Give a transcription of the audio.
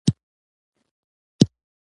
کتابچه د زده کړې وسیله ده